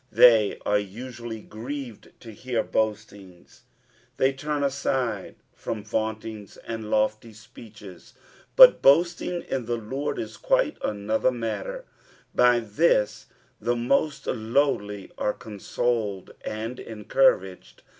They are usually grieved to hear boastings ; they turn aside from vauntings and lofty speeches, but boasting in tiie Lord is quite another matter ; by this the most lowly arc consoled and encouraged.